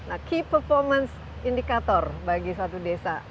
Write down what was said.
nah key performance indicator bagi suatu desa